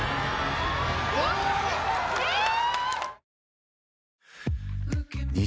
えっ！？